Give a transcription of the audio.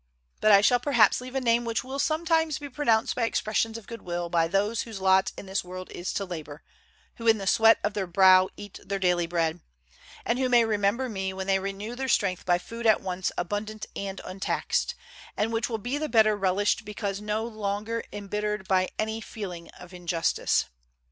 But I shall perhaps leave a name which will sometimes be pronounced by expressions of good will by those whose lot in this world is to labor, who in the sweat of their brow eat their daily bread; and who may remember me when they renew their strength by food at once abundant and untaxed, and which will be the better relished because no longer embittered by any feeling of injustice."